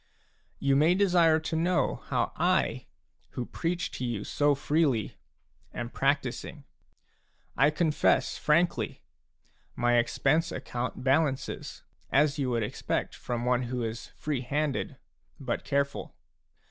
You may desire to know how I, who preach to you so freely, am practising. I confess frankly: my expense account balances, as you would expect from one who is free handed but careful.